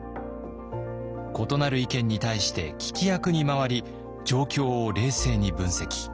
異なる意見に対して聞き役に回り状況を冷静に分析。